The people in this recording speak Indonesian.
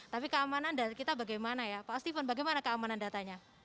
tapi keamanan dari kita bagaimana ya pak steven bagaimana keamanan datanya